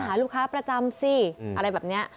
หาลูกค้าประจำสิอะไรแบบนี้